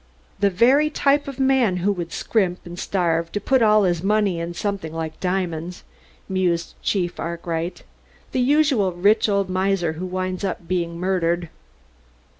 "The very type of man who would scrimp and starve to put all his money in something like diamonds," mused Chief Arkwright. "The usual rich old miser who winds up by being murdered."